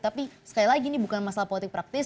tapi sekali lagi ini bukan masalah politik praktis